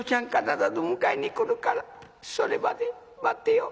必ず迎えに来るからそれまで待ってよ。